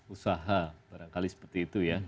usaha barangkali seperti itu ya